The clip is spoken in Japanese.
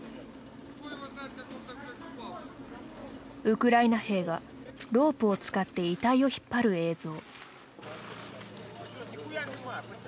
ウクライナ兵がロープを使って遺体を引っ張る映像。